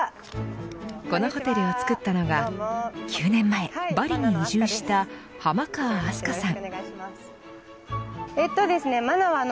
このホテルを作ったのが９年前バリに移住した濱川明日香さん。